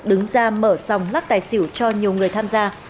đứng ra mở sòng lắc tài xỉu cho nhiều người tham gia